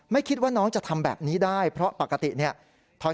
คิดว่าน้องจะทำแบบนี้ได้เพราะปกติเนี่ย